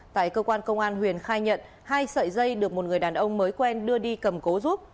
tại cơ quan công an huyền khai nhận hai sợi dây được một người đàn ông mới quen đưa đi cầm cố giúp